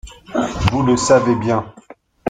Vous le savez bien.